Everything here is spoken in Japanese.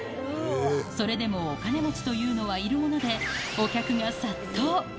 それでもお金持ちというのはいるもので、お客が殺到。